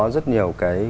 rất nhiều cái